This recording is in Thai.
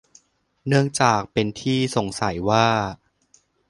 เนื่องจากเป็นที่สงสัยว่า